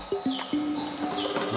何？